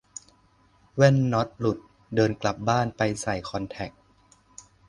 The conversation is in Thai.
แว่นน็อตหลุด เดินกลับบ้านไปใส่คอนแทค